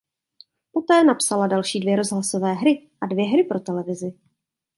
Poté napsala další dvě rozhlasové hry a dvě hry pro televizi.